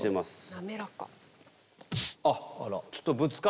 滑らか。